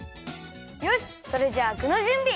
よしっそれじゃあぐのじゅんび！